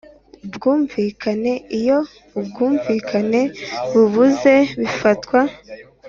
bwumvikane Iyo ubwumvikane bubuze bifatwa